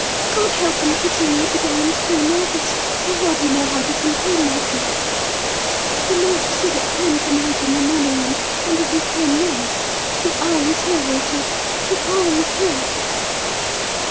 "God help and pity me! but I am so nervous, I hardly know how to contain myself. The note said at ten to night in the morning room, and it is ten now. The hour is here, Walter, the hour is here!"